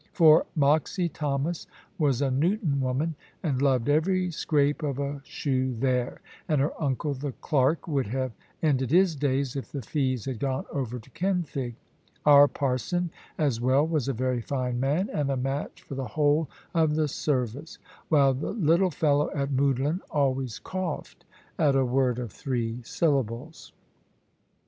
For Moxy Thomas was a Newton woman, and loved every scrape of a shoe there; and her uncle, the clerk, would have ended his days if the fees had gone over to Kenfig. Our parson, as well, was a very fine man, and a match for the whole of the service; while the little fellow at Moudlin always coughed at a word of three syllables.